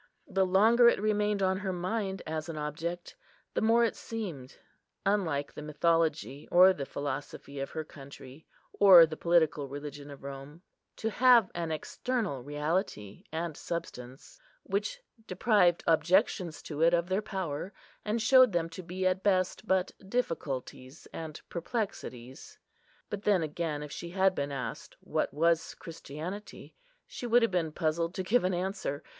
The longer it remained on her mind as an object, the more it seemed (unlike the mythology or the philosophy of her country, or the political religion of Rome) to have an external reality and substance, which deprived objections to it of their power, and showed them to be at best but difficulties and perplexities. But then again, if she had been asked, what was Christianity, she would have been puzzled to give an answer.